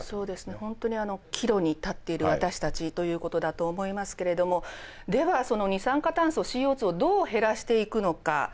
本当に岐路に立っている私たちということだと思いますけれどもではその二酸化炭素ＣＯをどう減らしていくのか。